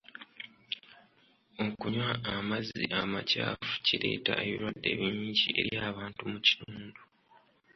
Okunywa amazzi amakyafu kireeta ebirwadde bingi eri abantu mu kitundu .